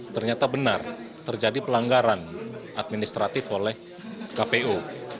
ternyata benar terjadi pelanggaran administratif oleh kpu